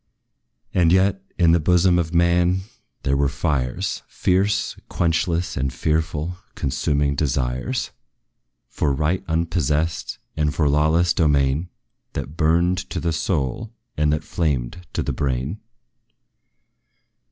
And yet, in the bosom of man there were fires Fierce, quenchless and fearful consuming desires For right unpossessed, and for lawless domain, That burned to the soul, and that flamed to the brain.